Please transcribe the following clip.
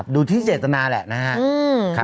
ดูที่เจตนาแหละนะครับ